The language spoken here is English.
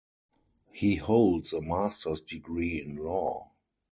He holds a master's degree in law.